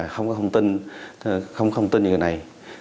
không tin người này